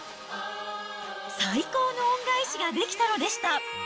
最高の恩返しができたのでした。